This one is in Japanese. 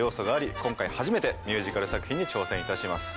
今回初めてミュージカル作品に挑戦いたします